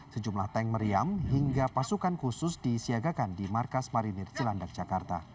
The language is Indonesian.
sejumlah tank meriam hingga pasukan khusus disiagakan di markas marinir cilandak jakarta